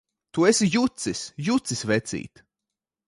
Tu esi jucis! Jucis, vecīt!